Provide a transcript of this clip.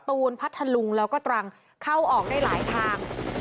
ตูนพัทธลุงแล้วก็ตรังเข้าออกได้หลายทาง